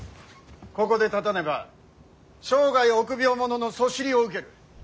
ここで立たねば生涯臆病者のそしりを受ける。